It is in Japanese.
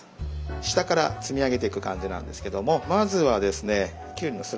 下から積み上げてく感じなんですけどもまずはですねきゅうりのスライスですね。